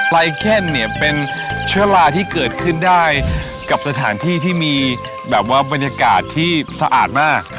ไลเคนเนี่ยเป็นเชื้อลาที่เกิดขึ้นได้กับสถานที่ที่มีแบบว่าบรรยากาศที่สะอาดมาก